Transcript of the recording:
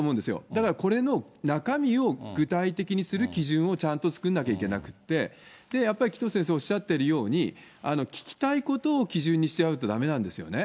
だから、これの中身を具体的にする基準をちゃんと作んなきゃいけなくて、やっぱり紀藤先生おっしゃっているように、聞きたいことを基準にしちゃうとだめなんですよね。